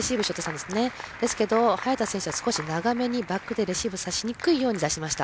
ですけど、早田選手は少し長めにバックでレシーブしにくいように出しました。